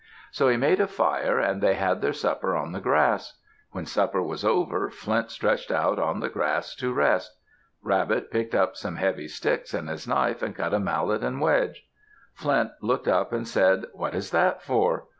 So he made a fire and they had their supper on the grass. When supper was over, Flint stretched out on the grass to rest. Rabbit picked up some heavy sticks and his knife, and cut a mallet and wedge. Flint looked up and said, "What is that for?"